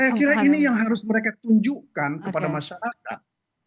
saya kira ini yang harus mereka tunjukkan kepada masyarakat